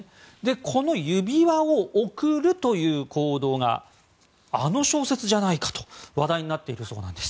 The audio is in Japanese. この指輪を贈るという行動があの小説じゃないかと話題になっているそうです。